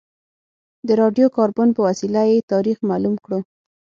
د راډیو کاربن په وسیله یې تاریخ معلوم کړو.